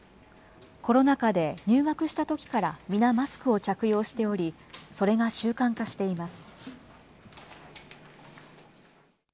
コロナ禍で、入学したときから皆マスクを着用しており、それが習慣化しています。